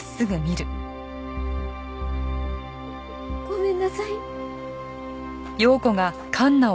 ごめんなさい。